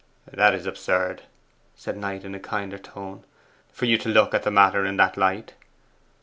'It is absurd,' said Knight in a kinder tone, 'for you to look at the matter in that light.